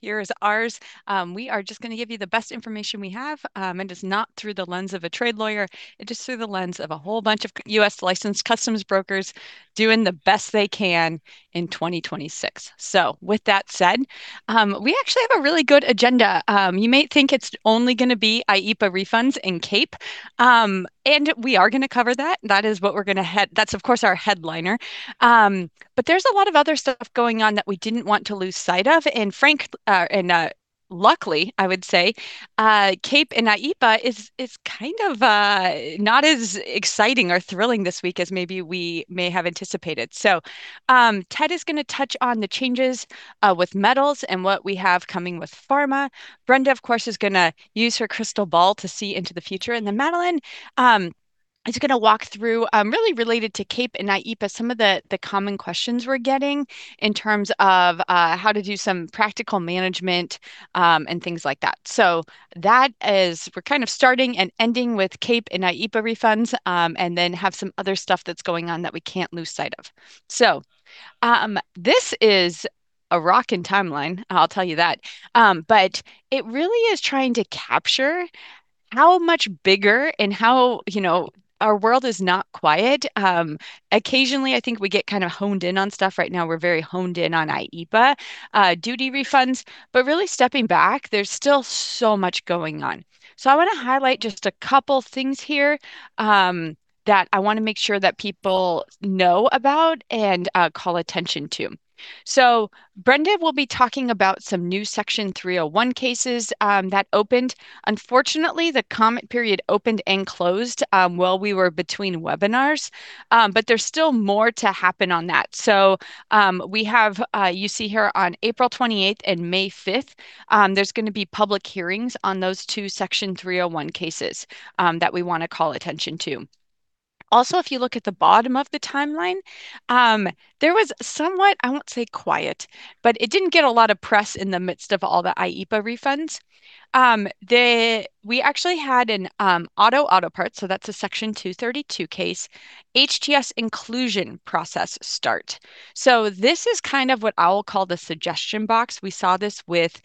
Here is ours. We are just going to give you the best information we have. It is not through the lens of a trade lawyer, it's just through the lens of a whole bunch of U.S. licensed customs brokers doing the best they can in 2026. With that said, we actually have a really good agenda. You may think it's only going to be IEEPA refunds and CAPE, and we are going to cover that. That's of course our headliner. There's a lot of other stuff going on that we didn't want to lose sight of. Luckily, I would say, CAPE and IEEPA is kind of not as exciting or thrilling this week as maybe we may have anticipated. Ted is going to touch on the changes with metals and what we have coming with pharma. Brenda, of course, is going to use her crystal ball to see into the future. Then Madeleine is going to walk through, really related to CAPE and IEEPA, some of the common questions we're getting in terms of how to do some practical management and things like that. We're kind of starting and ending with CAPE and IEEPA refunds, and then have some other stuff that's going on that we can't lose sight of. This is a rocking timeline, I'll tell you that. It really is trying to capture how much bigger and how our world is not quiet. Occasionally, I think we get kind of honed in on stuff. Right now we're very honed in on IEEPA duty refunds. Really stepping back, there's still so much going on. I want to highlight just a couple things here that I want to make sure that people know about and call attention to. Brenda will be talking about some new Section 301 cases that opened. Unfortunately, the comment period opened and closed while we were between webinars, but there's still more to happen on that. We have, you see here on April 28th and May 5th, there's going to be public hearings on those two Section 301 cases that we want to call attention to. Also, if you look at the bottom of the timeline, there was somewhat, I won't say quiet, but it didn't get a lot of press in the midst of all the IEEPA refunds. We actually had an auto/auto parts, so that's a Section 232 case, HTS inclusion process start. This is kind of what I will call the suggestion box. We saw this with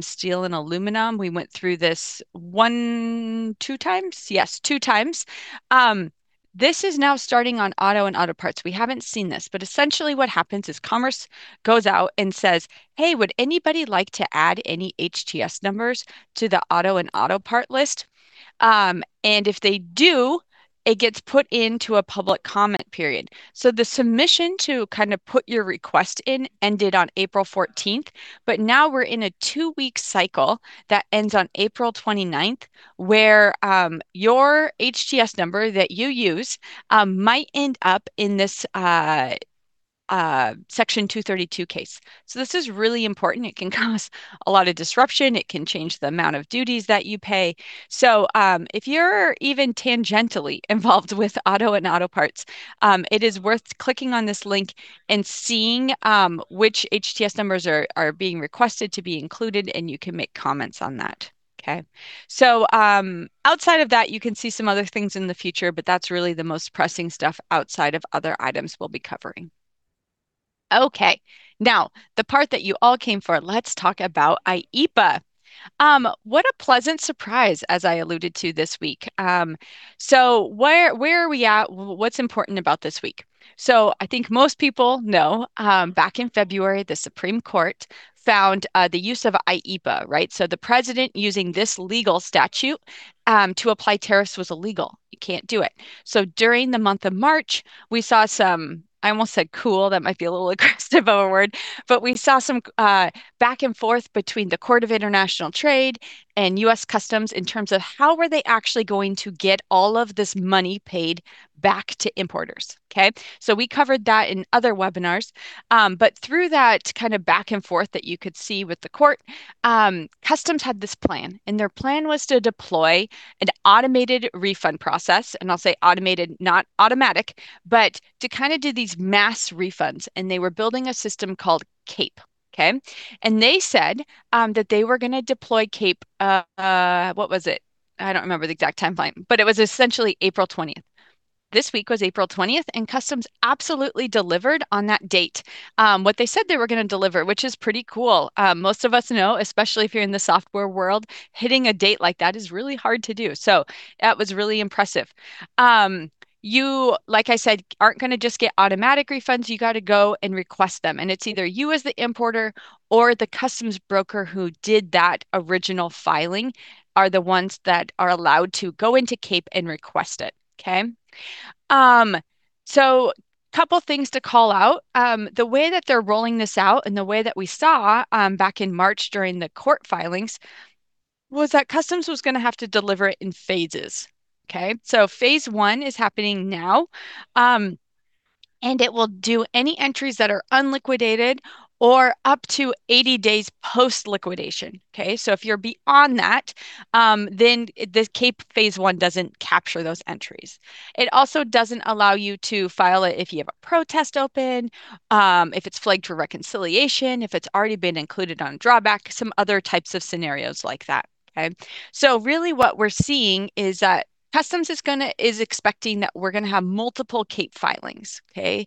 steel and aluminum. We went through this 1, 2 times? Yes, 2 times. This is now starting on auto and auto parts. We haven't seen this, but essentially what happens is Commerce goes out and says, "Hey, would anybody like to add any HTS numbers to the auto and auto part list?" If they do, it gets put into a public comment period. The submission to put your request in ended on April 14th, but now we're in a two-week cycle that ends on April 29th, where your HTS number that you use might end up in this Section 232 case. This is really important. It can cause a lot of disruption. It can change the amount of duties that you pay. If you're even tangentially involved with auto and auto parts, it is worth clicking on this link and seeing which HTS numbers are being requested to be included, and you can make comments on that. Okay? Outside of that, you can see some other things in the future, but that's really the most pressing stuff outside of other items we'll be covering. Okay, now, the part that you all came for. Let's talk about IEEPA. What a pleasant surprise, as I alluded to this week. Where are we at? What's important about this week? I think most people know, back in February, the Supreme Court found the use of IEEPA. The President using this legal statute to apply tariffs was illegal. You can't do it. During the month of March, we saw some, I almost said cool, that might be a little aggressive of a word, but we saw some back and forth between the Court of International Trade and U.S. Customs in terms of how were they actually going to get all of this money paid back to importers. Okay? We covered that in other webinars. Through that kind of back and forth that you could see with the court, Customs had this plan, and their plan was to deploy an automated refund process, and I'll say automated, not automatic, but to kind of do these mass refunds, and they were building a system called CAPE, okay? They said that they were going to deploy CAPE, what was it? I don't remember the exact timeline, but it was essentially April 20th. This week was April 20th, and Customs absolutely delivered on that date what they said they were going to deliver, which is pretty cool. Most of us know, especially if you're in the software world, hitting a date like that is really hard to do, so that was really impressive. You, like I said, aren't going to just get automatic refunds, you got to go and request them, and it's either you as the importer or the customs broker who did that original filing are the ones that are allowed to go into CAPE and request it. Okay? Couple things to call out. The way that they're rolling this out and the way that we saw back in March during the court filings was that Customs was going to have to deliver it in phases. Okay? Phase 1 is happening now. It will do any entries that are unliquidated or up to 80 days post-liquidation. Okay? If you're beyond that, then the CAPE Phase 1 doesn't capture those entries. It also doesn't allow you to file it if you have a protest open, if it's flagged for reconciliation, if it's already been included on drawback, some other types of scenarios like that. Okay? Really what we're seeing is that Customs is expecting that we're going to have multiple CAPE filings, okay?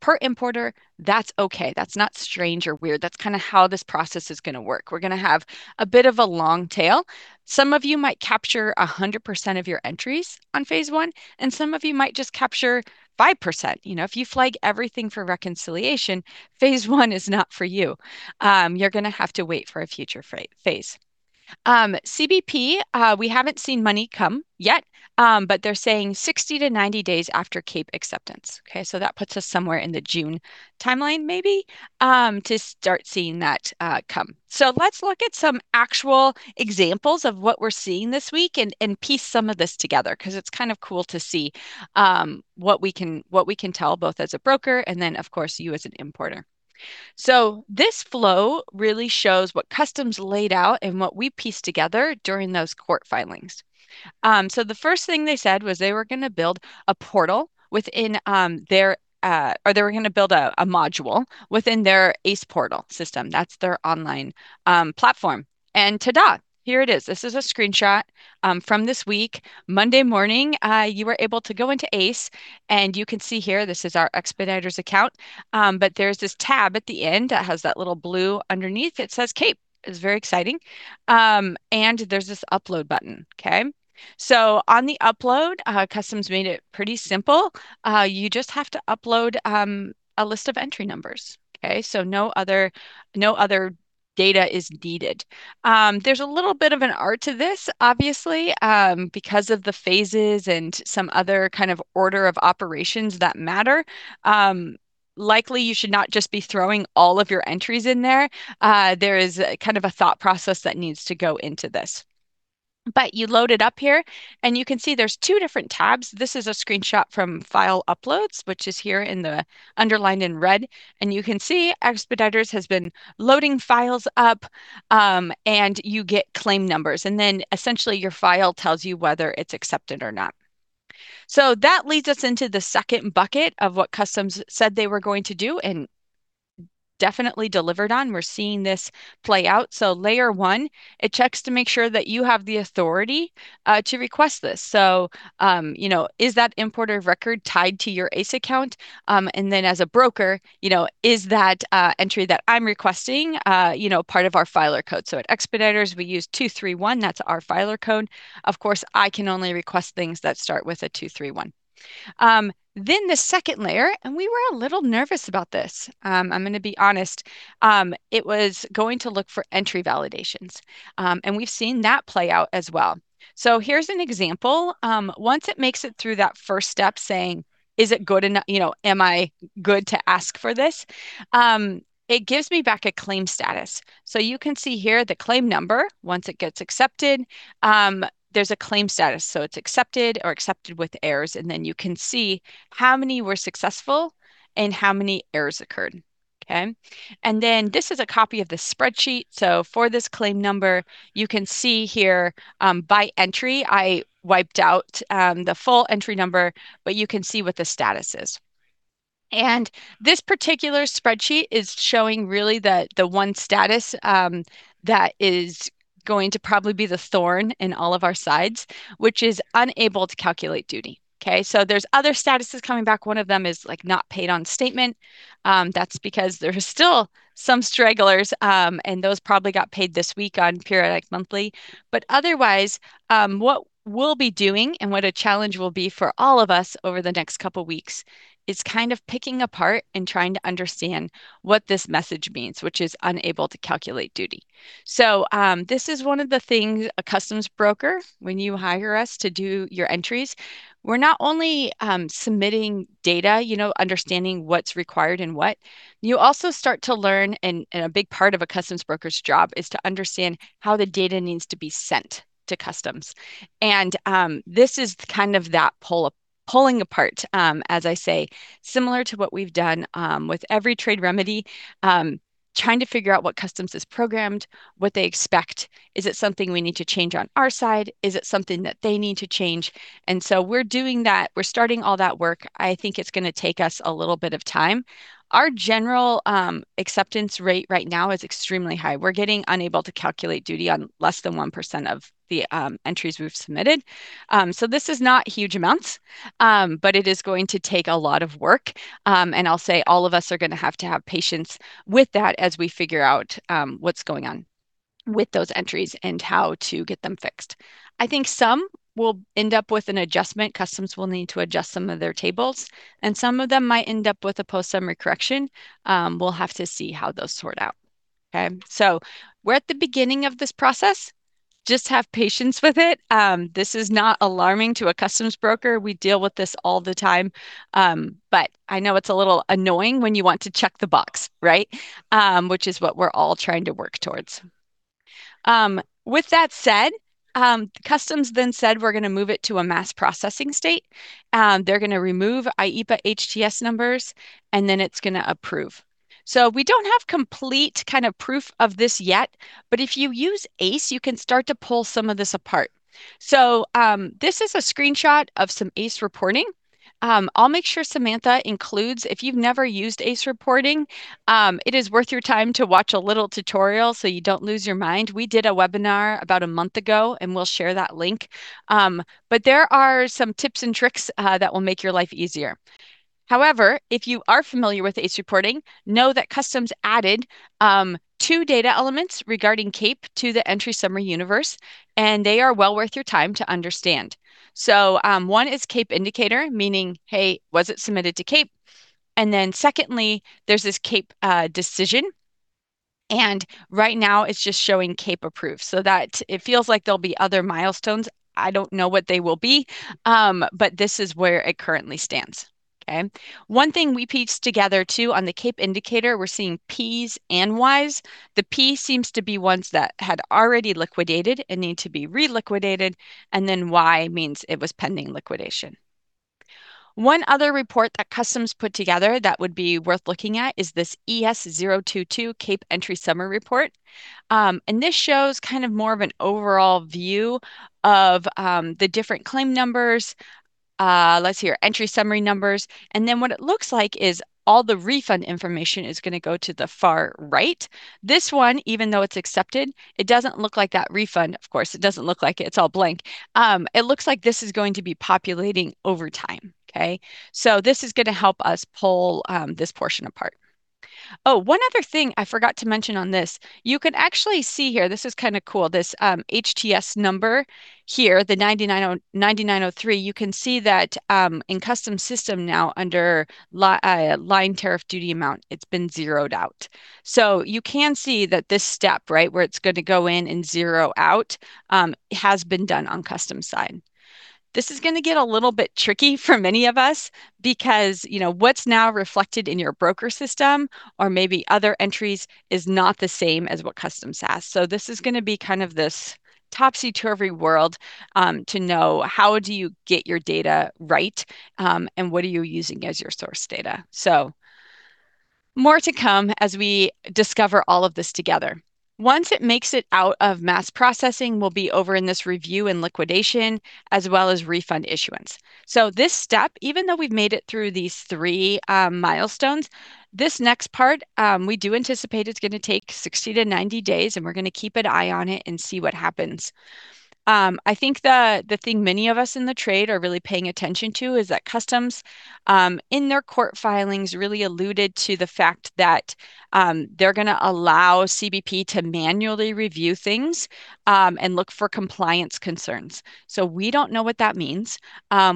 Per importer, that's okay. That's not strange or weird. That's kind of how this process is going to work. We're going to have a bit of a long tail. Some of you might capture 100% of your entries on Phase 1, and some of you might just capture 5%. If you flag everything for reconciliation, Phase 1 is not for you. You're going to have to wait for a future phase. CBP, we haven't seen money come yet, but they're saying 60-90 days after CAPE acceptance. Okay, that puts us somewhere in the June timeline, maybe, to start seeing that come. Let's look at some actual examples of what we're seeing this week and piece some of this together, because it's kind of cool to see what we can tell both as a broker and then, of course, you as an importer. This flow really shows what Customs laid out and what we pieced together during those court filings. The first thing they said was they were going to build a module within their ACE portal system, that's their online platform. Ta-da, here it is. This is a screenshot from this week. Monday morning, you were able to go into ACE, and you can see here this is our Expeditors account, but there's this tab at the end that has that little blue underneath that says, "CAPE." It's very exciting. There's this upload button. Okay? On the upload, Customs made it pretty simple. You just have to upload a list of entry numbers, okay? No other data is needed. There's a little bit of an art to this, obviously, because of the phases and some other kind of order of operations that matter. Likely, you should not just be throwing all of your entries in there. There is kind of a thought process that needs to go into this. You load it up here, and you can see there's two different tabs. This is a screenshot from File Uploads, which is here underlined in red. You can see Expeditors has been loading files up, and you get claim numbers, and then essentially your file tells you whether it's accepted or not. That leads us into the second bucket of what Customs said they were going to do and definitely delivered on. We're seeing this play out. Layer 1, it checks to make sure that you have the authority to request this. Is that importer of record tied to your ACE account? As a broker, is that entry that I'm requesting part of our filer code? At Expeditors, we use 231. That's our filer code. Of course, I can only request things that start with a 231. The second layer, and we were a little nervous about this. I'm going to be honest. It was going to look for entry validations, and we've seen that play out as well. Here's an example. Once it makes it through that first step saying, "Am I good to ask for this?" It gives me back a claim status. You can see here the claim number. Once it gets accepted, there's a claim status. It's accepted or accepted with errors, and then you can see how many were successful and how many errors occurred. Okay? Then this is a copy of the spreadsheet. For this claim number, you can see here by entry, I wiped out the full entry number, but you can see what the status is. This particular spreadsheet is showing really the one status that is going to probably be the thorn in all of our sides, which is unable to calculate duty. Okay? There's other statuses coming back, one of them is not paid on statement. That's because there are still some stragglers, and those probably got paid this week on periodic monthly. Otherwise, what we'll be doing and what a challenge will be for all of us over the next couple of weeks is kind of picking apart and trying to understand what this message means, which is unable to calculate duty. This is one of the things a customs broker, when you hire us to do your entries, we're not only submitting data, understanding what's required and what. You also start to learn, and a big part of a customs broker's job is to understand how the data needs to be sent to Customs. This is kind of that pulling apart, as I say, similar to what we've done with every trade remedy, trying to figure out what Customs is programmed, what they expect. Is it something we need to change on our side? Is it something that they need to change? We're doing that. We're starting all that work. I think it's going to take us a little bit of time. Our general acceptance rate right now is extremely high. We're getting unable to calculate duty on less than 1% of the entries we've submitted. This is not huge amounts, but it is going to take a lot of work, and I'll say all of us are going to have to have patience with that as we figure out what's going on with those entries and how to get them fixed. I think some will end up with an adjustment. Customs will need to adjust some of their tables, and some of them might end up with a Post-Summary Correction. We'll have to see how those sort out. Okay? We're at the beginning of this process. Just have patience with it. This is not alarming to a customs broker. We deal with this all the time. I know it's a little annoying when you want to check the box, right? Which is what we're all trying to work towards. With that said, Customs then said we're going to move it to a mass processing state. They're going to remove IEEPA HTS numbers, and then it's going to approve. We don't have complete kind of proof of this yet, but if you use ACE, you can start to pull some of this apart. This is a screenshot of some ACE reporting. I'll make sure Samantha includes, if you've never used ACE reporting, it is worth your time to watch a little tutorial so you don't lose your mind. We did a webinar about a month ago, and we'll share that link. There are some tips and tricks that will make your life easier. However, if you are familiar with ACE reporting, know that Customs added two data elements regarding CAPE to the entry summary universe, and they are well worth your time to understand. One is CAPE indicator, meaning, hey, was it submitted to CAPE? Then secondly, there's this CAPE decision. Right now it's just showing CAPE approved, so that it feels like there'll be other milestones. I don't know what they will be, but this is where it currently stands. Okay? One thing we pieced together, too, on the CAPE indicator, we're seeing Ps and Ys. The P seems to be ones that had already liquidated and need to be re-liquidated, and then Y means it was pending liquidation. One other report that Customs put together that would be worth looking at is this ES-022 CAPE Entry Summary report. This shows more of an overall view of the different claim numbers, let's see here, entry summary numbers, and then what it looks like is all the refund information is going to go to the far right. This one, even though it's accepted, it doesn't look like that refund, of course. It doesn't look like it. It's all blank. It looks like this is going to be populating over time. Okay? This is going to help us pull this portion apart. Oh, one other thing I forgot to mention on this. You can actually see here, this is kind of cool, this HTS number here, the 9903, you can see that in Customs system now under line tariff duty amount, it's been zeroed out. You can see that this step, where it's going to go in and zero out, has been done on Customs' side. This is going to get a little bit tricky for many of us because what's now reflected in your broker system or maybe other entries is not the same as what Customs has. This is going to be this topsy-turvy world to know how do you get your data right, and what are you using as your source data? More to come as we discover all of this together. Once it makes it out of mass processing, we'll be over in this review and liquidation, as well as refund issuance. This step, even though we've made it through these three milestones, this next part, we do anticipate it's going to take 60-90 days, and we're going to keep an eye on it and see what happens. I think the thing many of us in the trade are really paying attention to is that Customs, in their court filings, really alluded to the fact that they're going to allow CBP to manually review things and look for compliance concerns. We don't know what that means.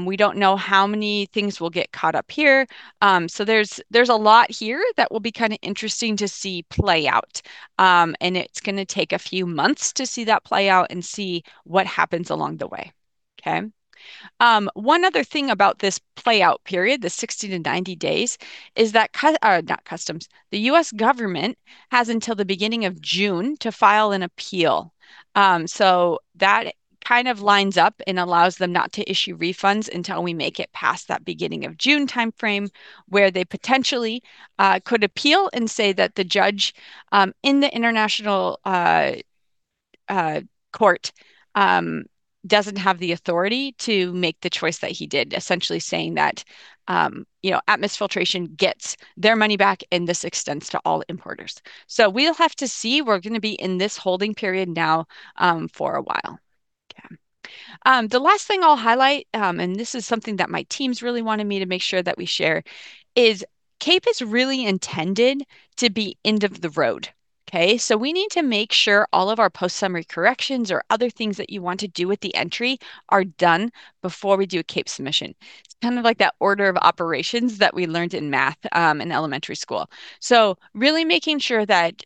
We don't know how many things will get caught up here. There's a lot here that will be kind of interesting to see play out, and it's going to take a few months to see that play out and see what happens along the way. Okay? One other thing about this play out period, the 60-90 days, is that, not customs, the U.S. government has until the beginning of June to file an appeal. That kind of lines up and allows them not to issue refunds until we make it past that beginning of June timeframe, where they potentially could appeal and say that the judge in the United States Court of International Trade doesn't have the authority to make the choice that he did, essentially saying that Atmus Filtration gets their money back, and this extends to all importers. We'll have to see. We're going to be in this holding period now for a while. Okay. The last thing I'll highlight, and this is something that my teams really wanted me to make sure that we share, is CAPE is really intended to be end of the road. Okay? We need to make sure all of our Post-Summary Corrections or other things that you want to do with the entry are done before we do a CAPE submission. It's kind of like that order of operations that we learned in math in elementary school. Really making sure that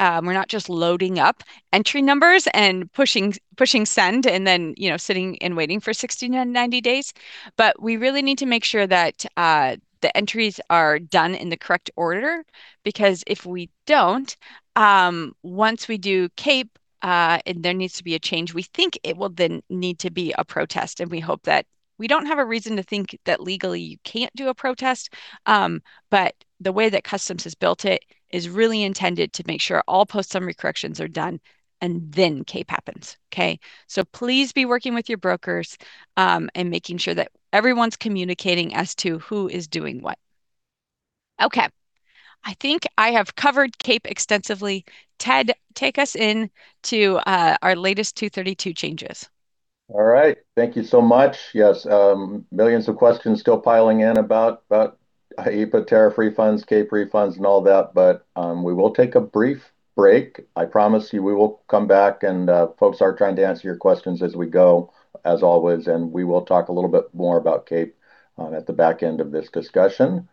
we're not just loading up entry numbers and pushing send and then sitting and waiting for 60-90 days. We really need to make sure that the entries are done in the correct order, because if we don't, once we do CAPE, and there needs to be a change, we think it will then need to be a protest, and we hope that we don't have a reason to think that legally you can't do a protest. The way that Customs has built it is really intended to make sure all post-summary corrections are done, and then CAPE happens. Okay? Please be working with your brokers, and making sure that everyone's communicating as to who is doing what. Okay. I think I have covered CAPE extensively. Ted, take us into our latest Section 232 changes. All right. Thank you so much. Yes. Millions of questions still piling in about IEEPA tariff refunds, CAPE refunds, and all that, but we will take a brief break. I promise you we will come back, and folks are trying to answer your questions as we go, as always, and we will talk a little bit more about CAPE at the back end of this discussion.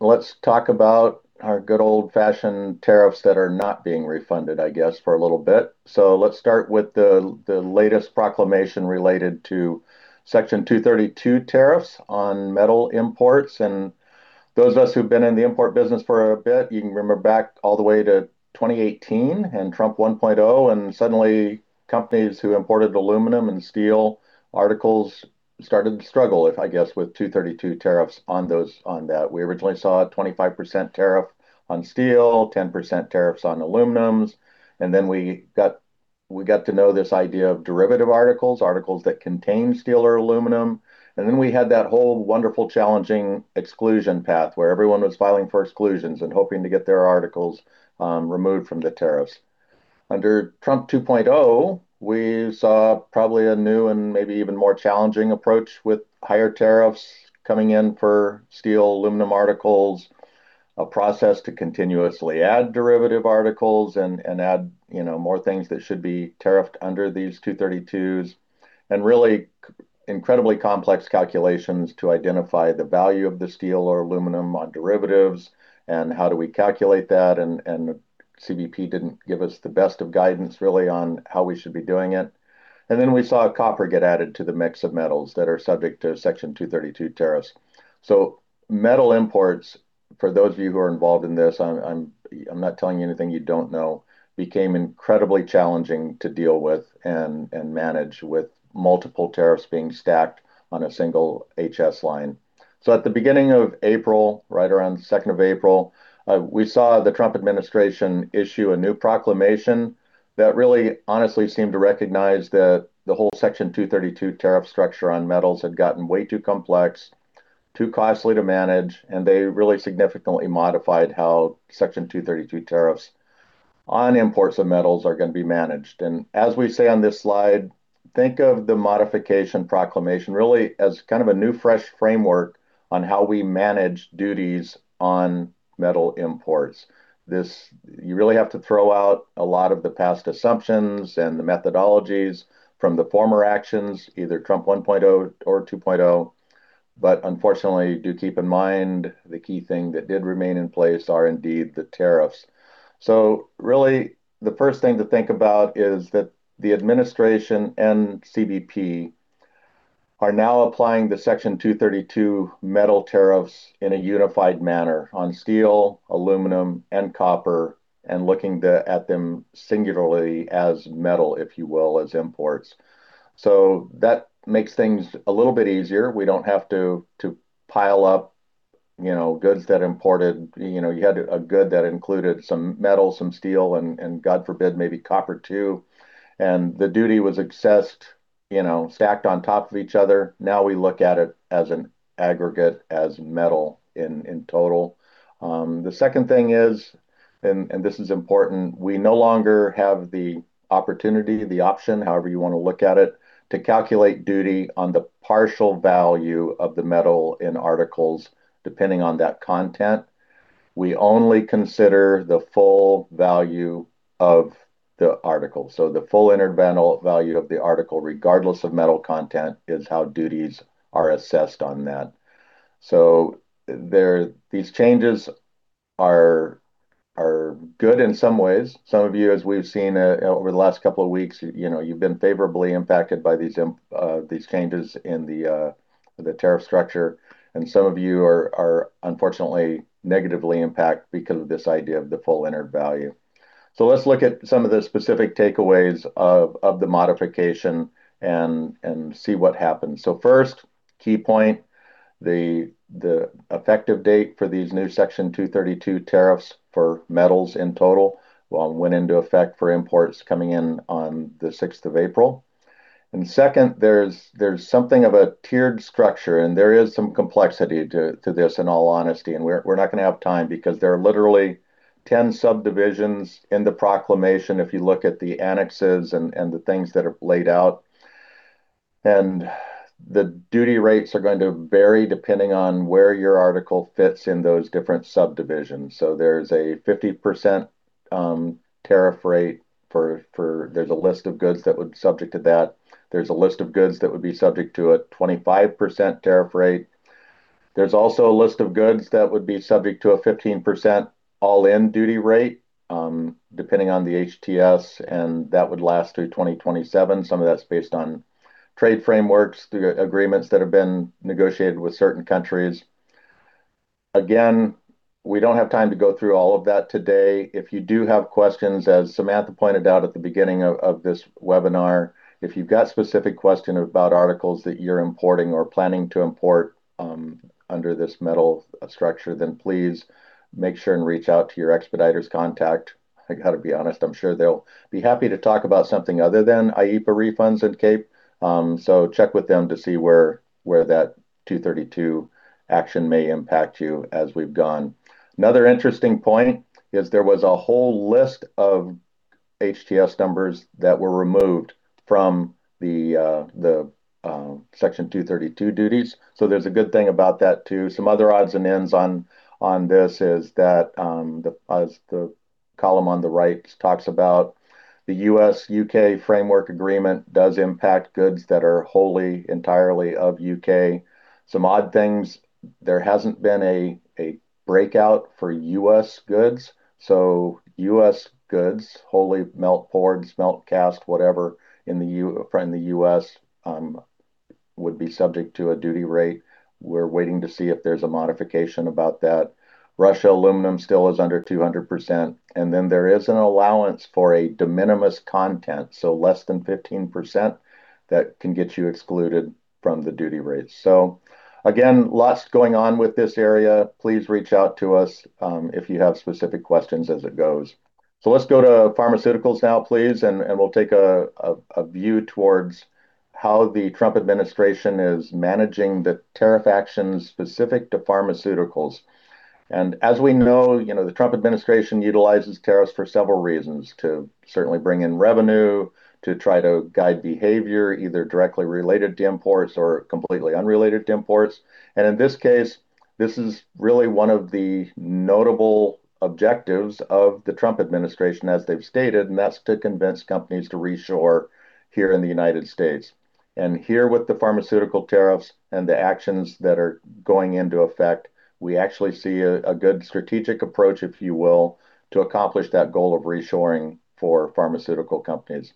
Let's talk about our good old-fashioned tariffs that are not being refunded, I guess, for a little bit. Let's start with the latest proclamation related to Section 232 tariffs on metal imports. Those of us who've been in the import business for a bit, you can remember back all the way to 2018 and Trump 1.0, and suddenly companies who imported aluminum and steel articles started to struggle, I guess, with Section 232 tariffs on that. We originally saw a 25% tariff on steel, 10% tariffs on aluminum. Then we got to know this idea of derivative articles that contain steel or aluminum. Then we had that whole wonderful challenging exclusion path where everyone was filing for exclusions and hoping to get their articles removed from the tariffs. Under Trump 2.0, we saw probably a new and maybe even more challenging approach with higher tariffs coming in for steel, aluminum articles, a process to continuously add derivative articles and add more things that should be tariffed under these Section 232s. Really incredibly complex calculations to identify the value of the steel or aluminum on derivatives and how do we calculate that. CBP didn't give us the best of guidance really on how we should be doing it. Then we saw copper get added to the mix of metals that are subject to Section 232 tariffs. Metal imports, for those of you who are involved in this, I'm not telling you anything you don't know, became incredibly challenging to deal with and manage with multiple tariffs being stacked on a single HS line. At the beginning of April, right around the second of April, we saw the Trump administration issue a new proclamation that really honestly seemed to recognize that the whole Section 232 tariff structure on metals had gotten way too complex, too costly to manage, and they really significantly modified how Section 232 tariffs on imports of metals are going to be managed. As we say on this slide, think of the modification proclamation really as kind of a new, fresh framework on how we manage duties on metal imports. This, you really have to throw out a lot of the past assumptions and the methodologies from the former actions, either Trump 1.0 or 2.0. Unfortunately, do keep in mind the key thing that did remain in place are indeed the tariffs. Really the first thing to think about is that the administration and CBP are now applying the Section 232 metal tariffs in a unified manner on steel, aluminum, and copper, and looking at them singularly as metal, if you will, as imports. That makes things a little bit easier. We don't have to pile up goods that imported. You had a good that included some metal, some steel, and God forbid, maybe copper too, and the duty was assessed, stacked on top of each other. Now we look at it as an aggregate, as metal in total. The second thing is, and this is important, we no longer have the opportunity, the option, however you want to look at it, to calculate duty on the partial value of the metal in articles, depending on that content. We only consider the full value of the article. The full entered value of the article, regardless of metal content, is how duties are assessed on that. These changes are good in some ways. Some of you, as we've seen over the last couple of weeks, you've been favorably impacted by these changes in the tariff structure, and some of you are unfortunately negatively impacted because of this idea of the full entered value. Let's look at some of the specific takeaways of the modification and see what happens. First key point, the effective date for these new Section 232 tariffs for metals in total went into effect for imports coming in on the 6th of April. Second, there's something of a tiered structure, and there is some complexity to this, in all honesty, and we're not going to have time because there are literally 10 subdivisions in the proclamation if you look at the annexes and the things that are laid out. The duty rates are going to vary depending on where your article fits in those different subdivisions. There's a 50% tariff rate, there's a list of goods that would be subject to that. There's a list of goods that would be subject to a 25% tariff rate. There's also a list of goods that would be subject to a 15% all-in duty rate, depending on the HTS, and that would last through 2027. Some of that's based on trade frameworks through agreements that have been negotiated with certain countries. Again, we don't have time to go through all of that today. If you do have questions, as Samantha pointed out at the beginning of this webinar, if you've got specific question about articles that you're importing or planning to import under this metal structure, then please make sure and reach out to your Expeditors contact. I got to be honest, I'm sure they'll be happy to talk about something other than IEEPA refunds at CAPE. So check with them to see where that Section 232 action may impact you as we've gone. Another interesting point is there was a whole list of HTS numbers that were removed from the Section 232 duties. There's a good thing about that too. Some other odds and ends on this is that, as the column on the right talks about, the U.S.-U.K. framework agreement does impact goods that are wholly, entirely of U.K. Some odd things, there hasn't been a breakout for U.S. goods. U.S. goods, wholly melt-poured, melt-cast, whatever from the U.S., would be subject to a duty rate. We're waiting to see if there's a modification about that. Russian aluminum still is under 200%, and then there is an allowance for a de minimis content, so less than 15%, that can get you excluded from the duty rates. Again, lots going on with this area. Please reach out to us, if you have specific questions as it goes. Let's go to pharmaceuticals now, please, and we'll take a view towards how the Trump administration is managing the tariff actions specific to pharmaceuticals. As we know, the Trump administration utilizes tariffs for several reasons, to certainly bring in revenue, to try to guide behavior, either directly related to imports or completely unrelated to imports. In this case. This is really one of the notable objectives of the Trump administration, as they've stated, and that's to convince companies to reshore here in the United States. Here with the pharmaceutical tariffs and the actions that are going into effect, we actually see a good strategic approach, if you will, to accomplish that goal of reshoring for pharmaceutical companies.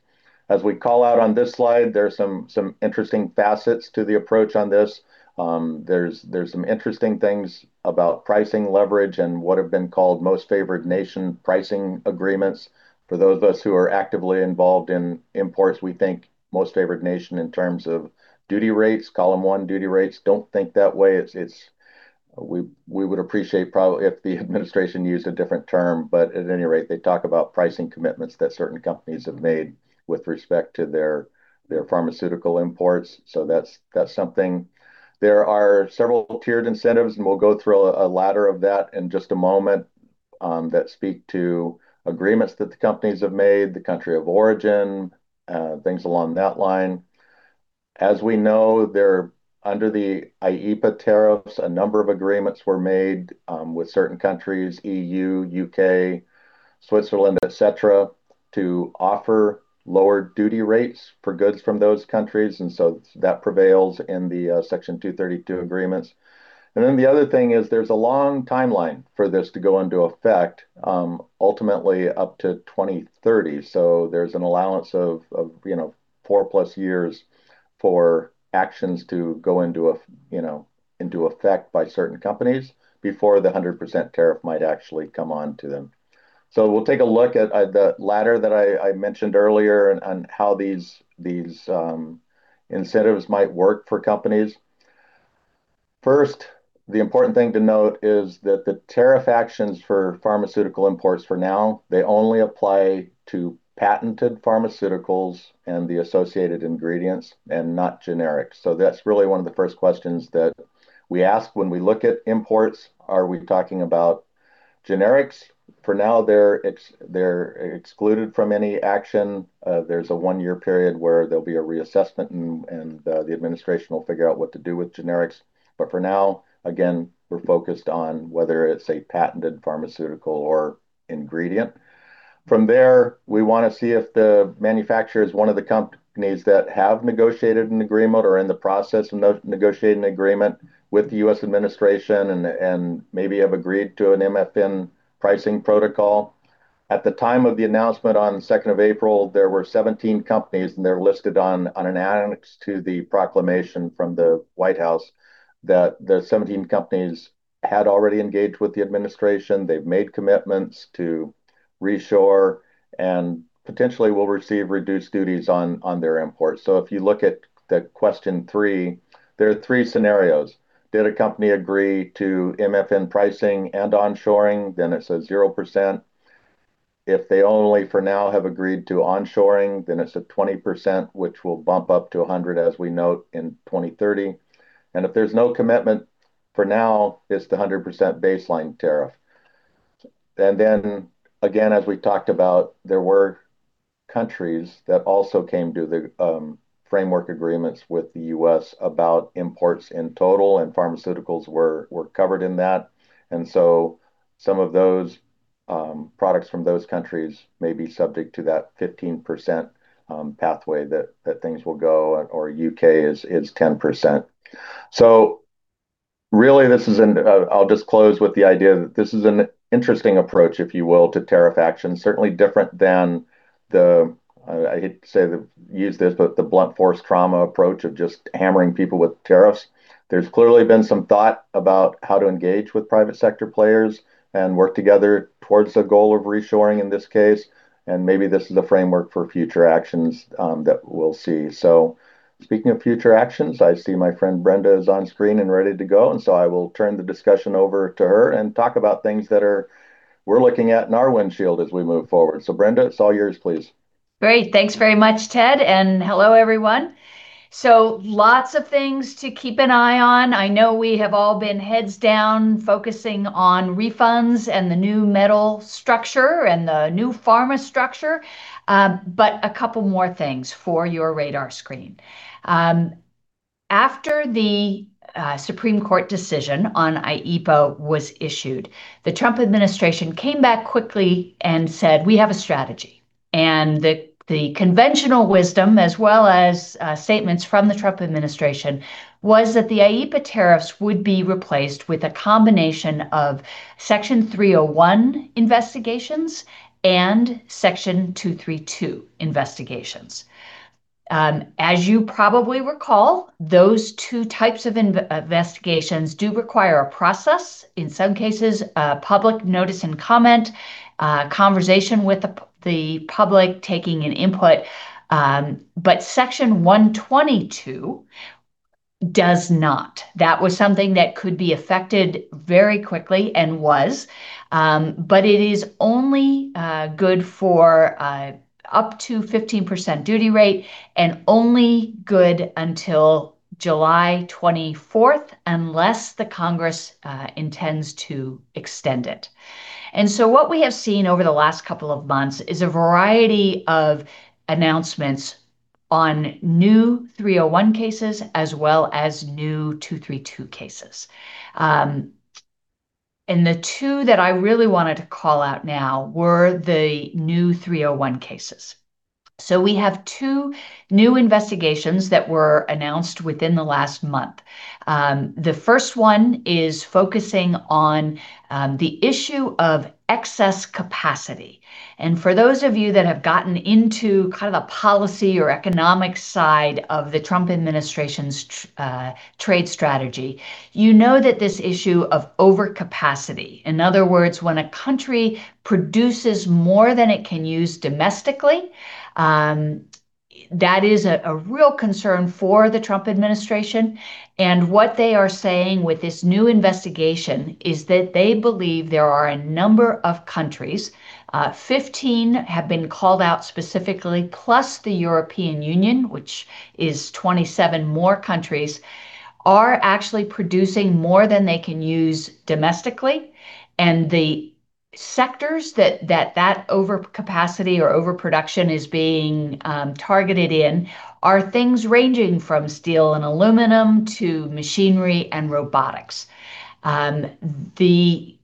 As we call out on this slide, there are some interesting facets to the approach on this. There's some interesting things about pricing leverage and what have been called most-favored-nation pricing agreements. For those of us who are actively involved in imports, we think most-favored-nation in terms of duty rates, Column 1 duty rates. Don't think that way. We would appreciate, probably, if the administration used a different term. At any rate, they talk about pricing commitments that certain companies have made with respect to their pharmaceutical imports, so that's something. There are several tiered incentives, and we'll go through a ladder of that in just a moment, that speak to agreements that the companies have made, the country of origin, things along that line. As we know, under the IEEPA tariffs, a number of agreements were made with certain countries, EU, U.K., Switzerland, et cetera, to offer lower duty rates for goods from those countries. That prevails in the Section 232 agreements. The other thing is there's a long timeline for this to go into effect, ultimately up to 2030. There's an allowance of 4+ years for actions to go into effect by certain companies before the 100% tariff might actually come on to them. We'll take a look at the ladder that I mentioned earlier and how these incentives might work for companies. First, the important thing to note is that the tariff actions for pharmaceutical imports, for now, they only apply to patented pharmaceuticals and the associated ingredients and not generics. That's really one of the first questions that we ask when we look at imports. Are we talking about generics? For now, they're excluded from any action. There's a one-year period where there'll be a reassessment, and the administration will figure out what to do with generics. For now, again, we're focused on whether it's a patented pharmaceutical or ingredient. From there, we want to see if the manufacturer is one of the companies that have negotiated an agreement or are in the process of negotiating an agreement with the U.S. administration and maybe have agreed to an MFN pricing protocol. At the time of the announcement on the 2nd of April, there were 17 companies, and they're listed on an annex to the proclamation from the White House, that the 17 companies had already engaged with the administration. They've made commitments to reshore and potentially will receive reduced duties on their imports. If you look at question three, there are three scenarios. Did a company agree to MFN pricing and onshoring? It's a 0%. If they only, for now, have agreed to onshoring, then it's a 20%, which will bump up to 100%, as we note, in 2030. If there's no commitment, for now, it's the 100% baseline tariff. Again, as we talked about, there were countries that also came to the framework agreements with the U.S. about imports in total, and pharmaceuticals were covered in that. Some of those products from those countries may be subject to that 15% pathway that things will go, or U.K. is 10%. Really, I'll just close with the idea that this is an interesting approach, if you will, to tariff action. Certainly different than the, I hate to use this, but the blunt force trauma approach of just hammering people with tariffs. There's clearly been some thought about how to engage with private sector players and work together towards the goal of reshoring in this case, and maybe this is a framework for future actions that we'll see. Speaking of future actions, I see my friend Brenda is on screen and ready to go, and so I will turn the discussion over to her and talk about things that we're looking at in our windshield as we move forward. Brenda, it's all yours, please. Great. Thanks very much, Ted, and hello, everyone. Lots of things to keep an eye on. I know we have all been heads down focusing on refunds and the new metal structure and the new pharma structure. A couple more things for your radar screen. After the Supreme Court decision on IEEPA was issued, the Trump administration came back quickly and said, "We have a strategy." The conventional wisdom, as well as statements from the Trump administration, was that the IEEPA tariffs would be replaced with a combination of Section 301 investigations and Section 232 investigations. As you probably recall, those two types of investigations do require a process, in some cases, a public notice and comment, conversation with the public, taking an input, but Section 122 does not. That was something that could be effected very quickly and was. It is only good for up to 15% duty rate and only good until July 24th, unless the Congress intends to extend it. What we have seen over the last couple of months is a variety of announcements on new Section 301 cases as well as new Section 232 cases. The two that I really wanted to call out now were the new Section 301 cases. We have two new investigations that were announced within the last month. The first one is focusing on the issue of excess capacity, and for those of you that have gotten into the policy or economic side of the Trump administration's trade strategy, you know that this issue of overcapacity, in other words, when a country produces more than it can use domestically, that is a real concern for the Trump administration, and what they are saying with this new investigation is that they believe there are a number of countries, 15 have been called out specifically, plus the European Union, which is 27 more countries, are actually producing more than they can use domestically, and the sectors that that overcapacity or overproduction is being targeted in are things ranging from steel and aluminum to machinery and robotics. The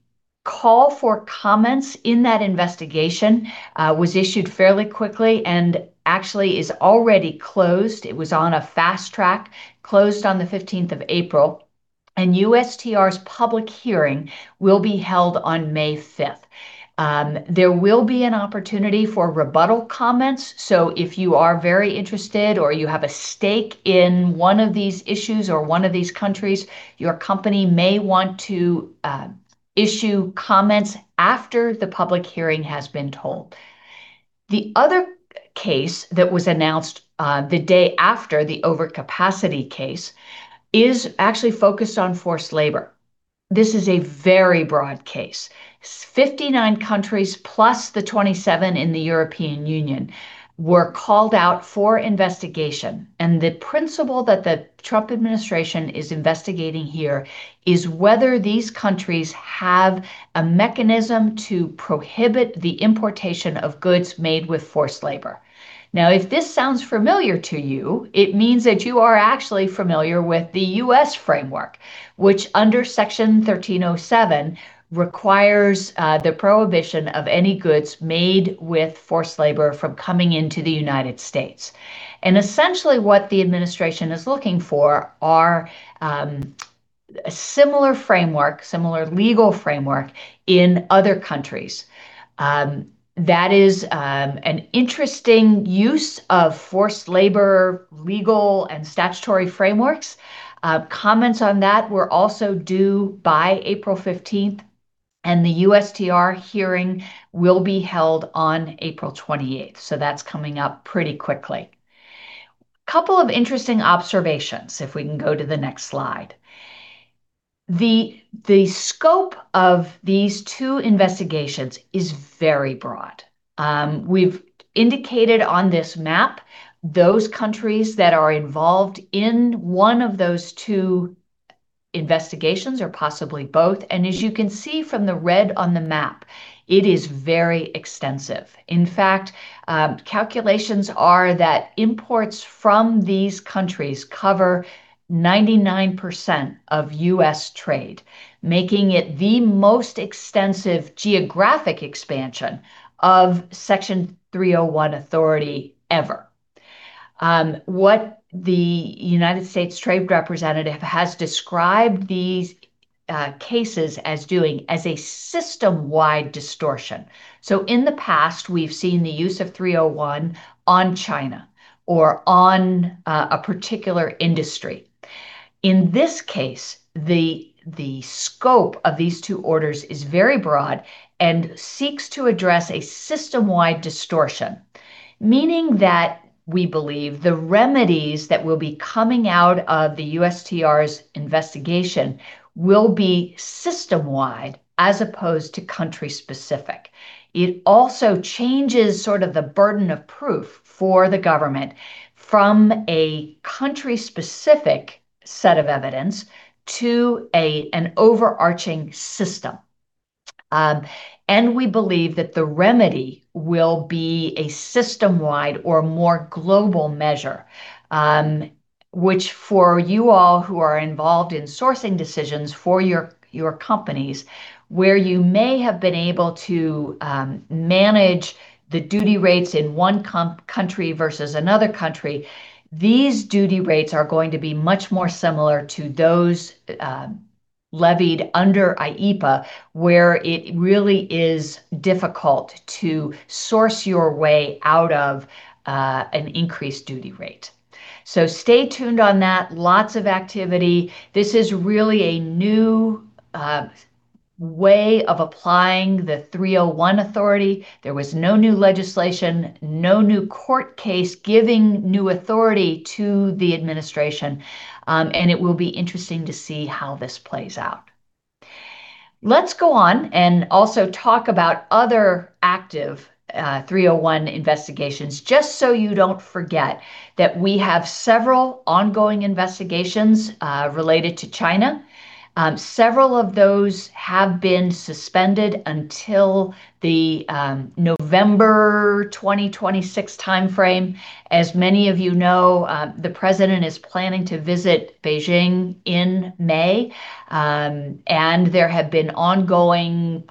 call for comments in that investigation was issued fairly quickly and actually is already closed. It was on a fast track, closed on the 15th of April, and USTR's public hearing will be held on May 5th. There will be an opportunity for rebuttal comments, so if you are very interested or you have a stake in one of these issues or one of these countries, your company may want to issue comments after the public hearing has been held. The other case that was announced the day after the overcapacity case is actually focused on forced labor. This is a very broad case. 59 countries plus the 27 in the European Union were called out for investigation, and the principle that the Trump administration is investigating here is whether these countries have a mechanism to prohibit the importation of goods made with forced labor. Now, if this sounds familiar to you, it means that you are actually familiar with the U.S. framework, which under Section 1307 requires the prohibition of any goods made with forced labor from coming into the United States. Essentially what the administration is looking for are similar framework, similar legal framework in other countries. That is an interesting use of forced labor, legal and statutory frameworks. Comments on that were also due by April 15th, and the USTR hearing will be held on April 28th, so that's coming up pretty quickly. Couple of interesting observations, if we can go to the next slide. The scope of these two investigations is very broad. We've indicated on this map those countries that are involved in one of those two investigations, or possibly both. As you can see from the red on the map, it is very extensive. In fact, calculations are that imports from these countries cover 99% of U.S. trade, making it the most extensive geographic expansion of Section 301 authority ever. What the United States Trade Representative has described these cases as is a system-wide distortion. In the past, we've seen the use of Section 301 on China or on a particular industry. In this case, the scope of these two orders is very broad and seeks to address a system-wide distortion, meaning that we believe the remedies that will be coming out of the USTR's investigation will be system-wide as opposed to country-specific. It also changes the burden of proof for the government from a country-specific set of evidence to an overarching system. We believe that the remedy will be a system-wide or more global measure, which for you all who are involved in sourcing decisions for your companies, where you may have been able to manage the duty rates in one country versus another country, these duty rates are going to be much more similar to those levied under IEEPA, where it really is difficult to source your way out of an increased duty rate. Stay tuned on that. Lots of activity. This is really a new way of applying the Section 301 authority. There was no new legislation, no new court case giving new authority to the administration, and it will be interesting to see how this plays out. Let's go on and also talk about other active Section 301 investigations, just so you don't forget that we have several ongoing investigations related to China. Several of those have been suspended until the November 2026 timeframe. As many of you know, the president is planning to visit Beijing in May, and there have been ongoing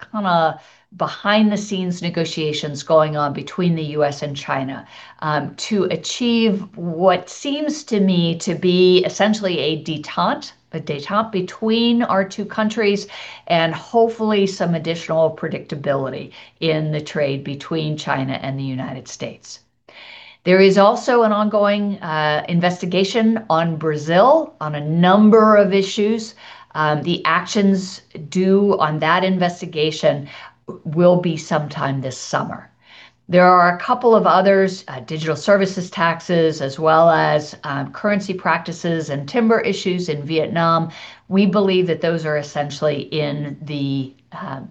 behind-the-scenes negotiations going on between the U.S. and China to achieve what seems to me to be essentially a détente between our two countries and hopefully some additional predictability in the trade between China and the United States. There is also an ongoing investigation on Brazil on a number of issues. The actions due on that investigation will be sometime this summer. There are a couple of others, digital services taxes, as well as currency practices and timber issues in Vietnam. We believe that those are essentially in the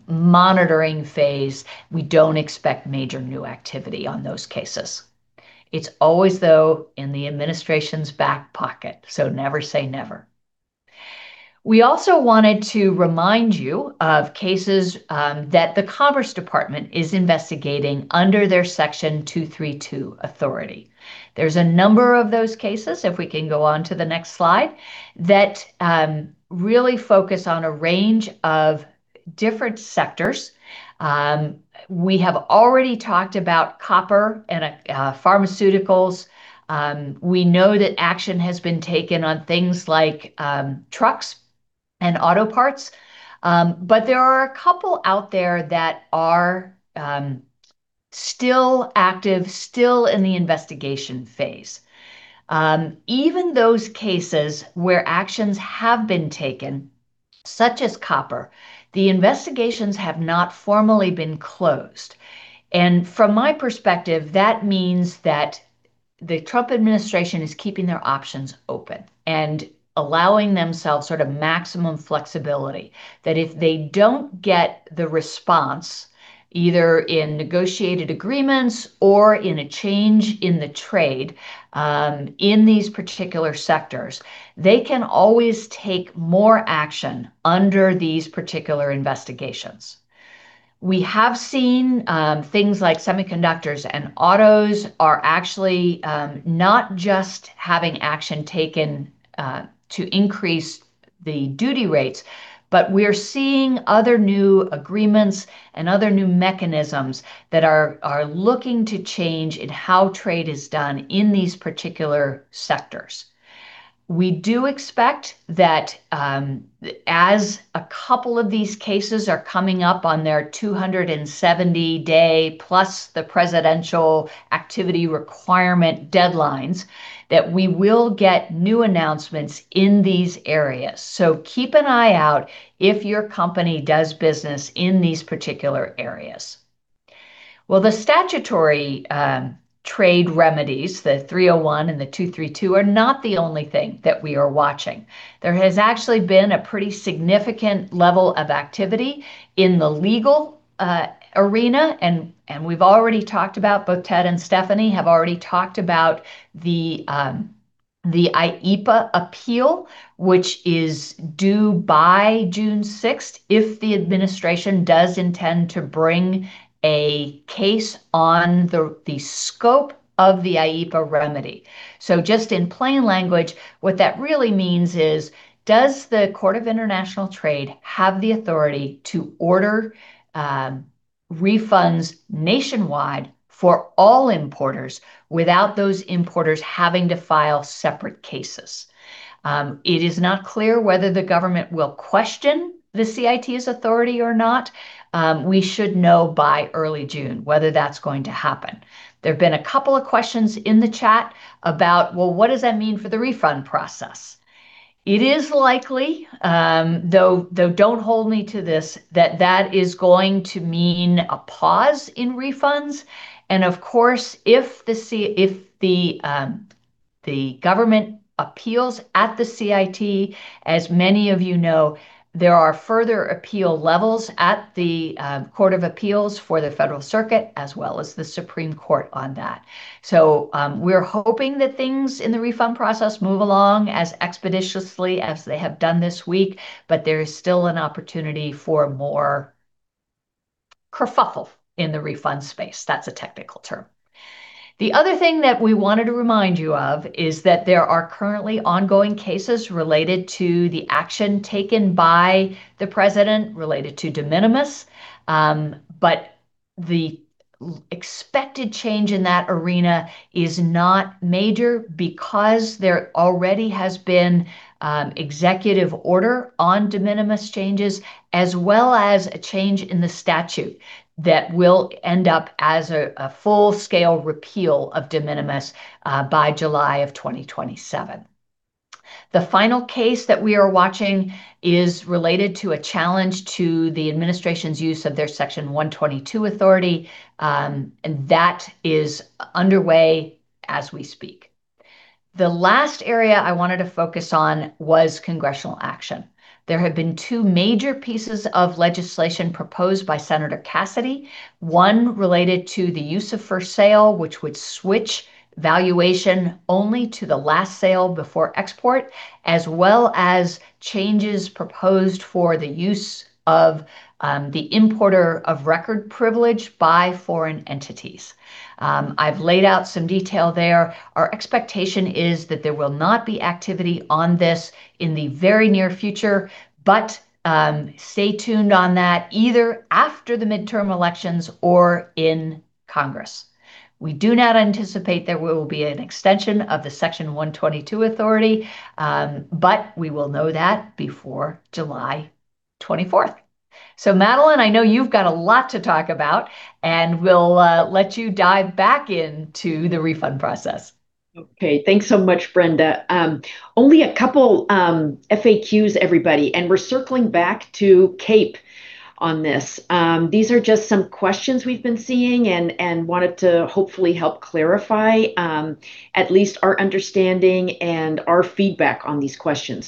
monitoring phase. We don't expect major new activity on those cases. It's always, though, in the administration's back pocket, so never say never. We also wanted to remind you of cases that the Commerce Department is investigating under their Section 232 authority. There's a number of those cases, if we can go on to the next slide, that really focus on a range of different sectors. We have already talked about copper and pharmaceuticals. We know that action has been taken on things like trucks and auto parts. There are a couple out there that are still active, still in the investigation phase. Even those cases where actions have been taken, such as copper, the investigations have not formally been closed. From my perspective, that means that the Trump administration is keeping their options open and allowing themselves maximum flexibility that if they don't get the response, either in negotiated agreements or in a change in the trade in these particular sectors, they can always take more action under these particular investigations. We have seen things like semiconductors and autos are actually not just having action taken to increase the duty rates, but we're seeing other new agreements and other new mechanisms that are looking to change in how trade is done in these particular sectors. We do expect that as a couple of these cases are coming up on their 270-day, plus the presidential activity requirement deadlines, that we will get new announcements in these areas. Keep an eye out if your company does business in these particular areas. Well, the statutory trade remedies, the Section 301 and the Section 232, are not the only thing that we are watching. There has actually been a pretty significant level of activity in the legal arena, and both Ted and Stephanie have already talked about the IEEPA appeal, which is due by June 6th if the administration does intend to bring a case on the scope of the IEEPA remedy. Just in plain language, what that really means is, does the Court of International Trade have the authority to order refunds nationwide for all importers without those importers having to file separate cases? It is not clear whether the government will question the CIT's authority or not. We should know by early June whether that's going to happen. There have been a couple of questions in the chat about, well, what does that mean for the refund process? It is likely, though don't hold me to this, that that is going to mean a pause in refunds. Of course, if the government appeals at the CIT, as many of you know, there are further appeal levels at the Court of Appeals for the Federal Circuit, as well as the Supreme Court on that. We're hoping that things in the refund process move along as expeditiously as they have done this week, but there is still an opportunity for more kerfuffle in the refund space. That's a technical term. The other thing that we wanted to remind you of is that there are currently ongoing cases related to the action taken by the President related to de minimis, but the expected change in that arena is not major because there already has been executive order on de minimis changes, as well as a change in the statute that will end up as a full-scale repeal of de minimis by July of 2027. The final case that we are watching is related to a challenge to the administration's use of their Section 122 authority, and that is underway as we speak. The last area I wanted to focus on was congressional action. There have been two major pieces of legislation proposed by Senator Cassidy. One related to the use of first sale, which would switch valuation only to the last sale before export, as well as changes proposed for the use of the importer of record privilege by foreign entities. I've laid out some detail there. Our expectation is that there will not be activity on this in the very near future. Stay tuned on that, either after the midterm elections or in Congress. We do not anticipate there will be an extension of the Section 122 authority, but we will know that before July 24th. Madeleine, I know you've got a lot to talk about, and we'll let you dive back into the refund process. Okay. Thanks so much, Brenda. Only a couple FAQs, everybody, and we're circling back to CAPE on this. These are just some questions we've been seeing and wanted to hopefully help clarify, at least our understanding and our feedback on these questions.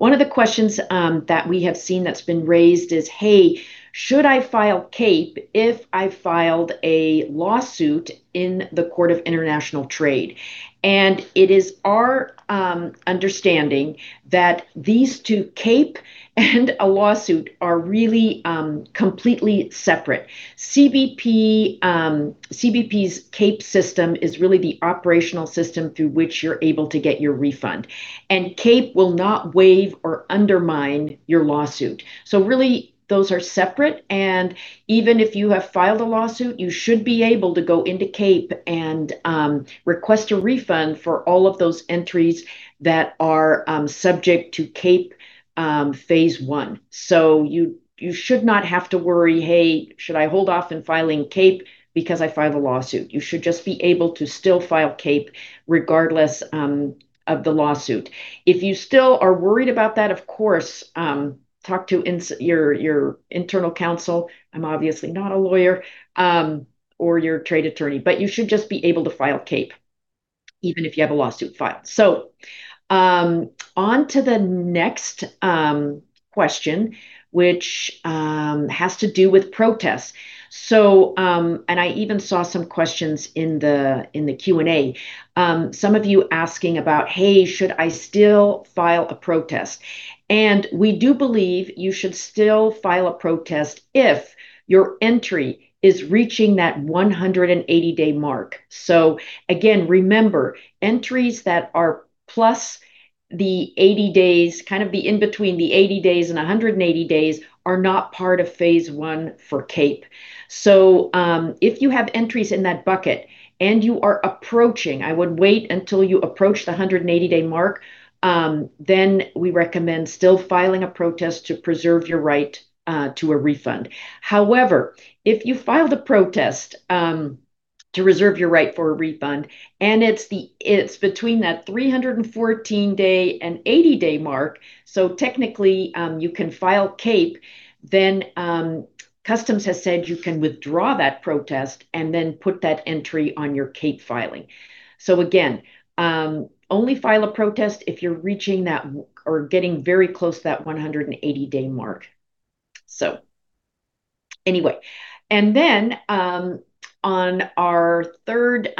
One of the questions that we have seen that's been raised is, "Hey, should I file CAPE if I filed a lawsuit in the Court of International Trade?" It is our understanding that these two, CAPE and a lawsuit, are really completely separate. CBP's CAPE system is really the operational system through which you're able to get your refund. CAPE will not waive or undermine your lawsuit. Really, those are separate, and even if you have filed a lawsuit, you should be able to go into CAPE and request a refund for all of those entries that are subject to CAPE Phase 1. You should not have to worry, "Hey, should I hold off in filing CAPE because I filed a lawsuit?" You should just be able to still file CAPE regardless of the lawsuit. If you still are worried about that, of course, talk to your internal counsel, I'm obviously not a lawyer, or your trade attorney, but you should just be able to file CAPE even if you have a lawsuit filed. On to the next question, which has to do with protests. I even saw some questions in the Q&A. Some of you asking about, "Hey, should I still file a protest?" We do believe you should still file a protest if your entry is reaching that 180-day mark. Again, remember, entries that are plus the 80 days, kind of in between the 80 days and 180 days, are not part of Phase 1 for CAPE. If you have entries in that bucket and you are approaching, I would wait until you approach the 180-day mark, then we recommend still filing a protest to preserve your right to a refund. However, if you filed a protest to reserve your right for a refund, and it's between that 314-day and 80-day mark, technically you can file CAPE, then Customs has said you can withdraw that protest and then put that entry on your CAPE filing. Again, only file a protest if you're reaching that or getting very close to that 180-day mark. Anyway. Then on our third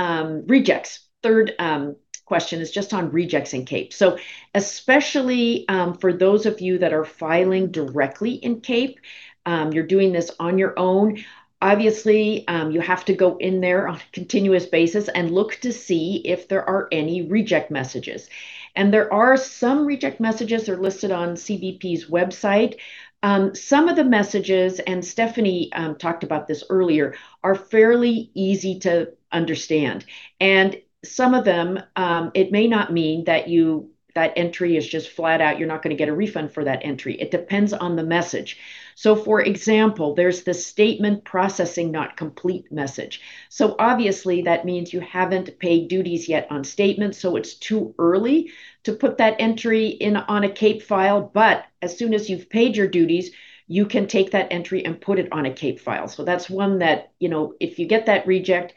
question is just on rejects in CAPE. Especially for those of you that are filing directly in CAPE, you're doing this on your own. Obviously, you have to go in there on a continuous basis and look to see if there are any reject messages. There are some reject messages, they're listed on CBP's website. Some of the messages, and Stephanie talked about this earlier, are fairly easy to understand. Some of them it may not mean that entry is just flat out you're not going to get a refund for that entry. It depends on the message. For example, there's this "statement processing not complete" message. Obviously that means you haven't paid duties yet on statements, so it's too early to put that entry in on a CAPE file. As soon as you've paid your duties, you can take that entry and put it on a CAPE file. That's one that if you get that reject,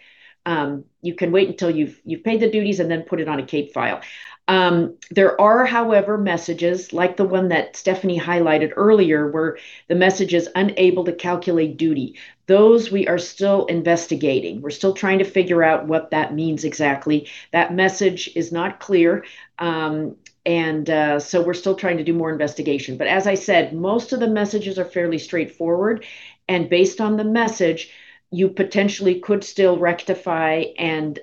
you can wait until you've paid the duties and then put it on a CAPE file. There are, however, messages like the one that Stephanie highlighted earlier, where the message is "unable to calculate duty." Those, we are still investigating. We're still trying to figure out what that means exactly. That message is not clear. We're still trying to do more investigation. As I said, most of the messages are fairly straightforward, and based on the message, you potentially could still rectify and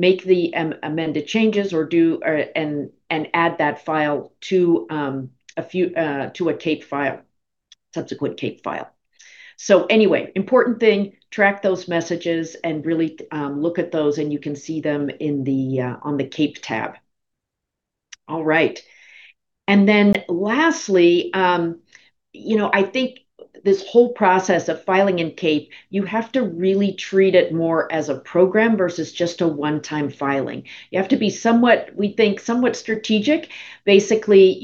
make the amended changes and add that file to a subsequent CAPE file. Anyway, important thing, track those messages and really look at those, and you can see them on the CAPE tab. All right. Then lastly, I think this whole process of filing in CAPE, you have to really treat it more as a program versus just a one-time filing. You have to be somewhat, we think, somewhat strategic. Basically,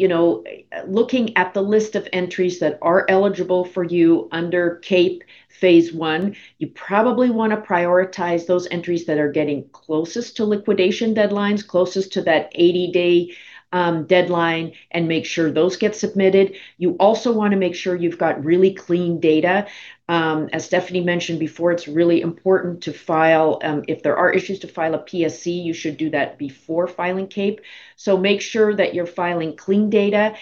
looking at the list of entries that are eligible for you under CAPE Phase 1, you probably want to prioritize those entries that are getting closest to liquidation deadlines, closest to that 80-day deadline, and make sure those get submitted. You also want to make sure you've got really clean data. As Stephanie mentioned before, it's really important, if there are issues, to file a PSC. You should do that before filing CAPE. Make sure that you're filing clean data.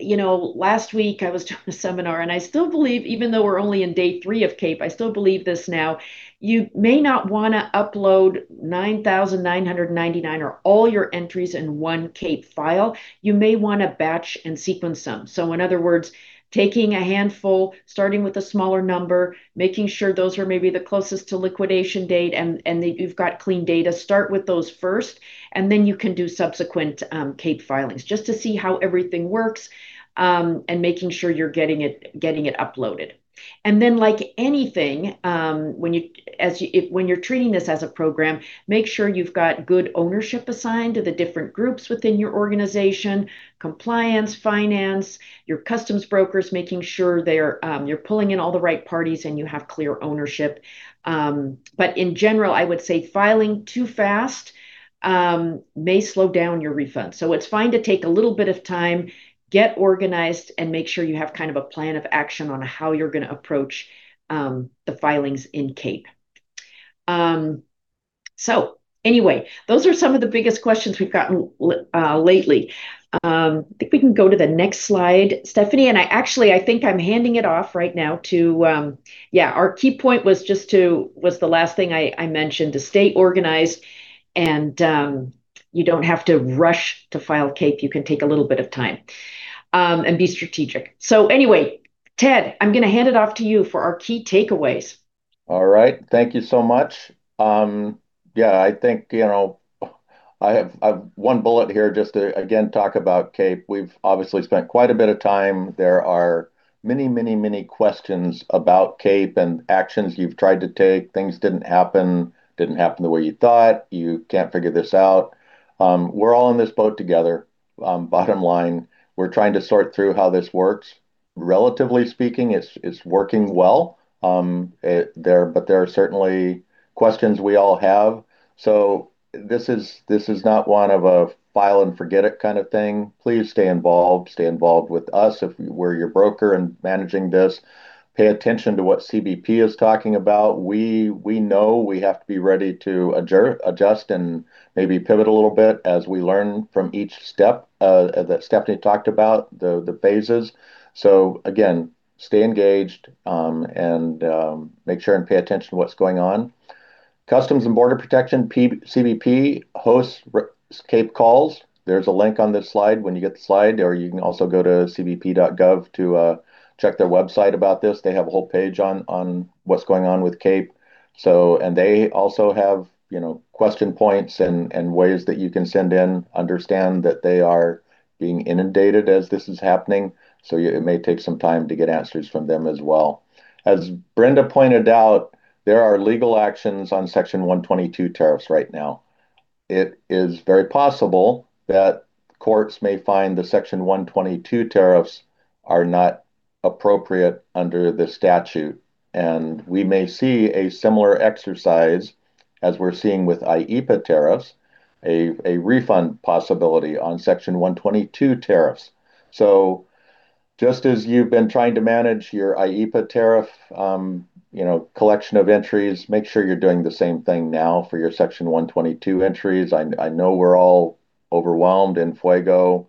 Last week I was doing a seminar, and I still believe, even though we're only in day 3 of CAPE, I still believe this now, you may not want to upload 9,999 or all your entries in one CAPE file. You may want to batch and sequence some. In other words, taking a handful, starting with a smaller number, making sure those are maybe the closest to liquidation date and that you've got clean data, start with those first, and then you can do subsequent CAPE filings. Just to see how everything works, and making sure you're getting it uploaded. Then like anything, when you're treating this as a program, make sure you've got good ownership assigned to the different groups within your organization, compliance, finance, your customs brokers, making sure you're pulling in all the right parties and you have clear ownership. In general, I would say filing too fast may slow down your refund. It's fine to take a little bit of time, get organized, and make sure you have kind of a plan of action on how you're going to approach the filings in CAPE. Anyway, those are some of the biggest questions we've gotten lately. I think we can go to the next slide, Stephanie. Actually, I think I'm handing it off right now. Yeah, our key point was the last thing I mentioned, to stay organized and you don't have to rush to file CAPE. You can take a little bit of time and be strategic. Anyway, Ted, I'm going to hand it off to you for our key takeaways. All right. Thank you so much. Yeah, I have one bullet here just to, again, talk about CAPE. We've obviously spent quite a bit of time. There are many questions about CAPE and actions you've tried to take. Things didn't happen, didn't happen the way you thought. You can't figure this out. We're all in this boat together. Bottom line, we're trying to sort through how this works. Relatively speaking, it's working well, but there are certainly questions we all have. This is not one of a file and forget it kind of thing. Please stay involved. Stay involved with us if we're your broker and managing this. Pay attention to what CBP is talking about. We know we have to be ready to adjust and maybe pivot a little bit as we learn from each step that Stephanie talked about, the phases. Again, stay engaged, and make sure and pay attention to what's going on. Customs and Border Protection, CBP, hosts CAPE calls. There's a link on this slide when you get the slide, or you can also go to cbp.gov to check their website about this. They have a whole page on what's going on with CAPE. They also have question points and ways that you can send in. Understand that they are being inundated as this is happening, so it may take some time to get answers from them as well. As Brenda pointed out, there are legal actions on Section 122 tariffs right now. It is very possible that courts may find the Section 122 tariffs are not appropriate under the statute, and we may see a similar exercise as we're seeing with IEEPA tariffs, a refund possibility on Section 122 tariffs. Just as you've been trying to manage your IEEPA tariff collection of entries, make sure you're doing the same thing now for your Section 122 entries. I know we're all overwhelmed in Fuego,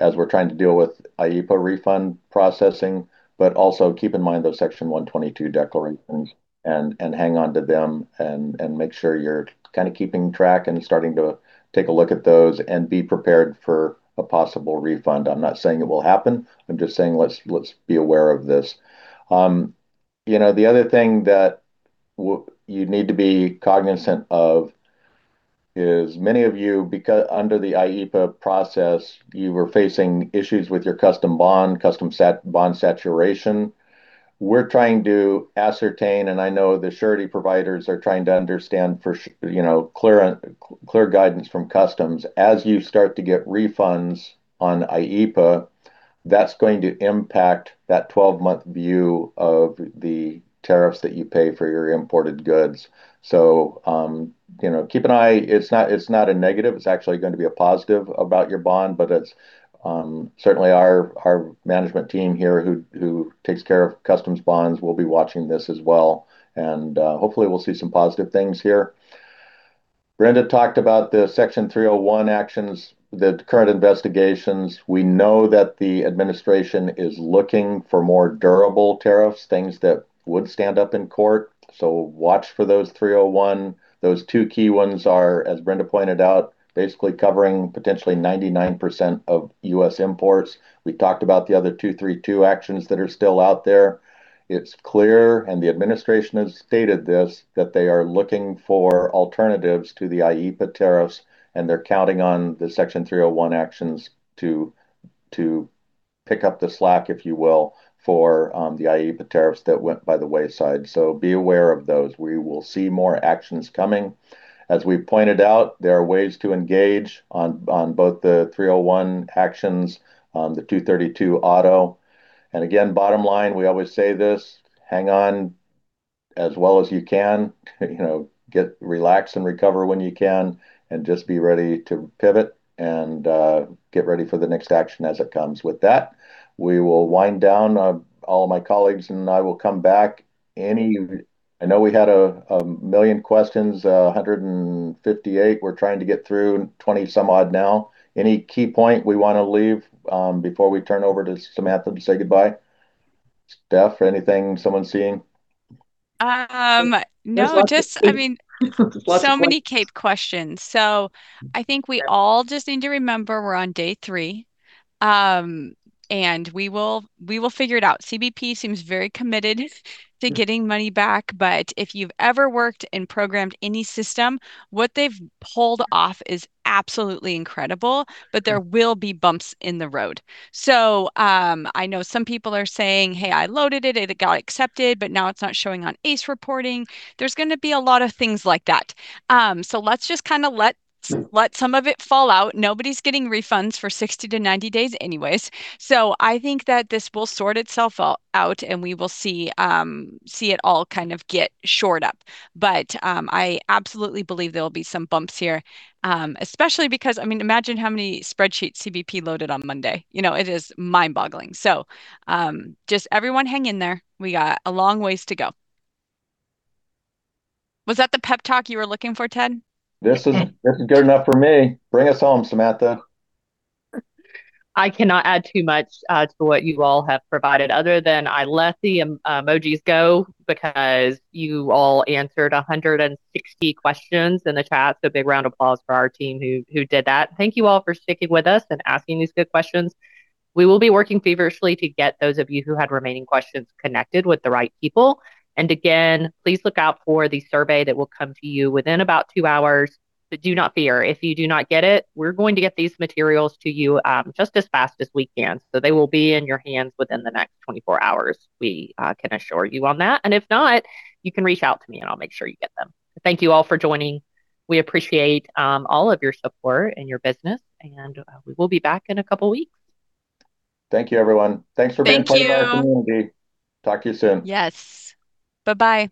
as we're trying to deal with IEEPA refund processing. But also keep in mind those Section 122 declarations and hang on to them and make sure you're kind of keeping track and starting to take a look at those and be prepared for a possible refund. I'm not saying it will happen. I'm just saying let's be aware of this. The other thing that you need to be cognizant of is many of you, under the IEEPA process, you were facing issues with your customs bond sufficiency. We're trying to ascertain, and I know the surety providers are trying to understand for clear guidance from customs, as you start to get refunds on IEEPA, that's going to impact that 12-month view of the tariffs that you pay for your imported goods. Keep an eye. It's not a negative, it's actually going to be a positive about your bond, but certainly our management team here who takes care of customs bonds will be watching this as well. Hopefully we'll see some positive things here. Brenda talked about the Section 301 actions, the current investigations. We know that the administration is looking for more durable tariffs, things that would stand up in court. Watch for those Section 301. Those two key ones are, as Brenda pointed out, basically covering potentially 99% of U.S. imports. We talked about the other Section 232 actions that are still out there. It's clear, and the administration has stated this, that they are looking for alternatives to the IEEPA tariffs, and they're counting on the Section 301 actions to pick up the slack, if you will, for the IEEPA tariffs that went by the wayside. Be aware of those. We will see more actions coming. As we pointed out, there are ways to engage on both the Section 301 actions, the Section 232 auto, and again, bottom line, we always say this, hang on as well as you can. Relax and recover when you can, and just be ready to pivot and get ready for the next action as it comes. With that, we will wind down. All my colleagues and I will come back. I know we had a million questions, 158 we're trying to get through, 20-some-odd now. Any key point we want to leave before we turn over to Samantha to say goodbye? Steph, anything someone's missing? No. Many CAPE questions. I think we all just need to remember we're on day 3, and we will figure it out. CBP seems very committed to getting money back, but if you've ever worked and programmed any system, what they've pulled off is absolutely incredible. There will be bumps in the road. I know some people are saying, "Hey, I loaded it got accepted, but now it's not showing on ACE reporting." There's going to be a lot of things like that. Let's just kind of let some of it fall out. Nobody's getting refunds for 60-90 days anyways. I think that this will sort itself out and we will see it all kind of get shored up. I absolutely believe there will be some bumps here, especially because imagine how many spreadsheets CBP loaded on Monday. It is mind-boggling. Just everyone hang in there. We got a long ways to go. Was that the pep talk you were looking for, Ted? This is good enough for me. Bring us home, Samantha. I cannot add too much to what you all have provided other than I let the emojis go because you all answered 160 questions in the chat. A big round of applause for our team who did that. Thank you all for sticking with us and asking these good questions. We will be working feverishly to get those of you who had remaining questions connected with the right people. Again, please look out for the survey that will come to you within about two hours. Do not fear, if you do not get it, we're going to get these materials to you just as fast as we can. They will be in your hands within the next 24 hours, we can assure you on that. If not, you can reach out to me, and I'll make sure you get them. Thank you all for joining. We appreciate all of your support and your business, and we will be back in a couple weeks. Thank you, everyone. Thanks for being part of our community. Thank you. Talk to you soon. Yes. Bye-bye.